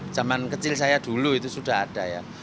zaman kecil saya dulu itu sudah ada ya